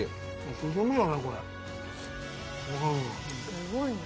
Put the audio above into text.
すごいな。